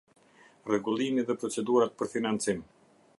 Rregullimi dhe procedurat për financim.